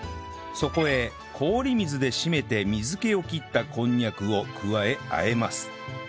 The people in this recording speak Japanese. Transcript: そこへ氷水で締めて水気を切ったこんにゃくを加え和えます